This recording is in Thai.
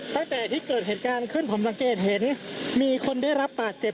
ตั้งแต่ที่เกิดเหตุการณ์ขึ้นผมสังเกตเห็นมีคนได้รับบาดเจ็บ